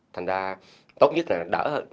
thành ra tốt nhất là đỡ hơn